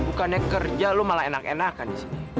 bukannya kerja lo malah enak enakan disini